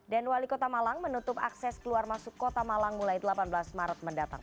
dan wali kota malang menutup akses keluar masuk kota malang mulai delapan belas maret mendatang